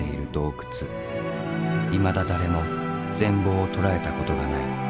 いまだ誰も全貌を捉えたことがない。